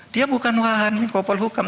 dia bukan wahan kopal hukum